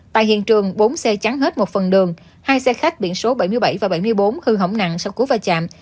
tại hiện trường bốn xe chắn hết một phần đường hai xe khách biển số bảy mươi bảy và bảy mươi bốn hư hỏng nặng sau cú va chạm